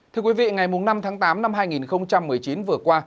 thưa quý vị ngày năm tháng tám năm hai nghìn một mươi chín vừa qua